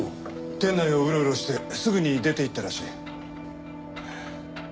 店内をうろうろしてすぐに出ていったらしい。